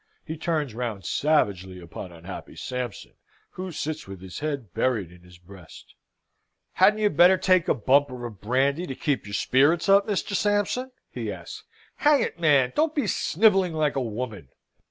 He turns round savagely upon unhappy Sampson, who sits with his head buried in his breast. "Hadn't you better take a bumper of brandy to keep your spirits up, Mr. Sampson?" he asks. "Hang it, man! don't be snivelling like a woman!"